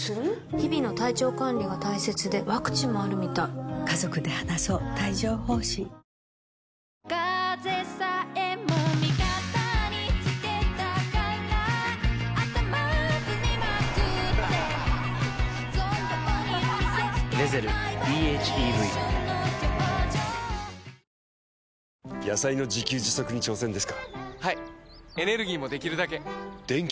日々の体調管理が大切でワクチンもあるみたい時刻は４時２４分です。